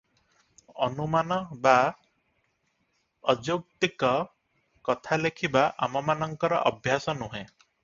ଅନୁମାନ ବା ଅଯୌକ୍ତିକ କଥା ଲେଖିବା ଆମମାନଙ୍କର ଅଭ୍ୟାସ ନୁହେଁ ।